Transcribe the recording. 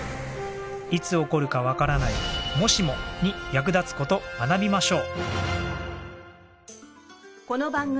いつ起こるかわからない「もしも」に役立つ事学びましょう。